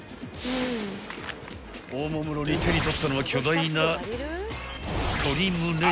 ［おもむろに手に取ったのは巨大な］